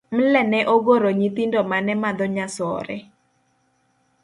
Mle ne ogoro nyithindo mane madho nyasore.